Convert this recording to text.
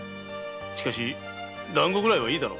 しかしダンゴぐらいはいいだろ。